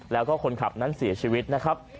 และคนขับนั้นยกฆ่าและสีชีวิตนะครับ